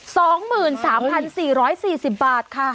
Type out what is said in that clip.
สองหมื่นสามพันสี่ร้อยสี่สิบบาทค่ะ